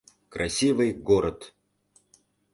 Красивый город.